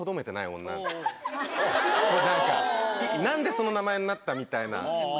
何でその名前になった？みたいな。